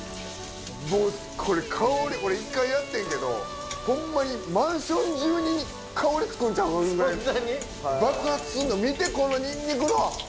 もうこれ香りこれ１回やってんけどホンマにマンション中に香り付くんちゃうかぐらい爆発すんの見てこのニンニクの！